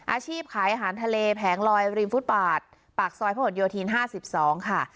อาชีพขายอาหารทะเลแผงลอยริมฟุตบาทปากซอยพระหลโยธิน๕๒ค่ะ